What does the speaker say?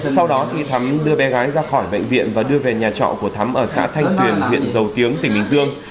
sau đó thắm đưa bé gái ra khỏi bệnh viện và đưa về nhà trọ của thắm ở xã thanh tuyền huyện dầu tiếng tỉnh bình dương